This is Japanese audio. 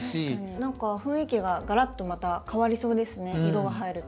何か雰囲気ががらっとまた変わりそうですね色が入ると。